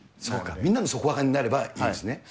そうか、みんなの底上げになればいいですね。